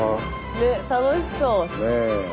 ねっ楽しそう！